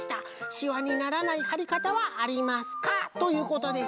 しわにならないはりかたはありますか？」ということです。